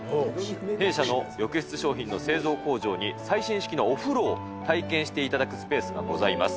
弊社の浴室商品の製造工場に、最新式のお風呂を体験していただくスペースがございます。